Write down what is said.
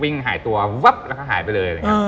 วิ่งหายตัววั๊บแล้วก็หายไปเลย